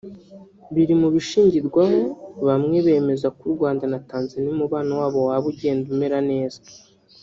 biri mu bishingirwaho bamwe bemeza ko u Rwanda na Tanzaniya umubano wabo waba ugenda umera neza